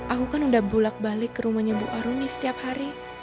aku kan udah bulat balik ke rumahnya bu aruni setiap hari